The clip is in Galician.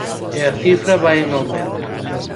E a cifra vai en aumento.